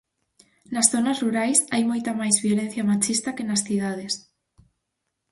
Nas zonas rurais hai moita máis violencia machista que nas cidades.